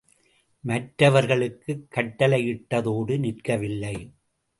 மற்றவர்களுக்குக் கட்டளையிட்டதோடு நிற்கவில்லை.